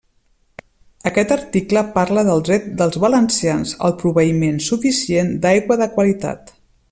Aquest article parla del dret dels valencians al proveïment suficient d'aigua de qualitat.